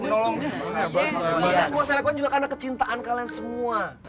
ini semua saya lakukan karena kecintaan kalian semua